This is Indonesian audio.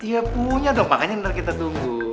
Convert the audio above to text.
iya punya dong makanya nanti kita tunggu